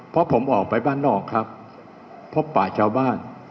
เพราะผมออกไปบ้านนอกครับพบป่าชาวบ้าน